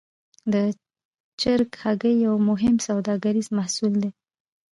د چرګ هګۍ یو مهم سوداګریز محصول دی.